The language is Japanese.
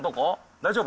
大丈夫？